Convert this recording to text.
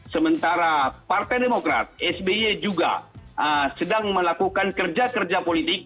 sementara partai demokrat sby juga sedang melakukan kerja kerja politik